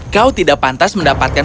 kau tidak pantas mendapatkan